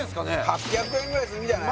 ８００円ぐらいするんじゃない？